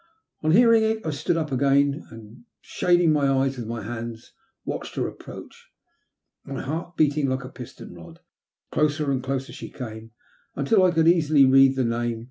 On hearing it, I stood up again, and, shading my eyes with my hands, watched her approach, my heart beating like a piston rod. Closer and closer she came, until I could easily read the name.